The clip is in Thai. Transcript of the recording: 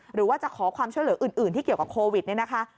หรือว่าจะขอความช่วยเหลืออื่นที่เกี่ยวกับโควิดเนี่ยนะคะ